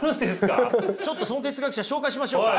ちょっとその哲学者紹介しましょうか。